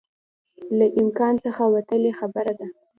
له امکان څخه وتلی خبره ده